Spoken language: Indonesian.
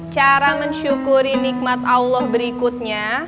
cara mensyukuri nikmat allah berikutnya